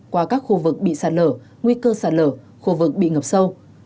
qua các khu vực bị xả lở nguy cơ xả lở khu vực bị ngập sâu